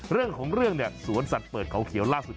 เรื่องของเรื่องเนี่ยสวนสัตว์เปิดเขาเขียวล่าสุด